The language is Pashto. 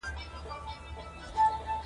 ګرځنده ټلیفون ډیر خلګ کاروي